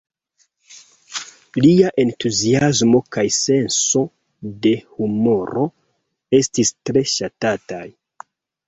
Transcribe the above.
Lia entuziasmo kaj senso de humuro estis tre ŝatataj.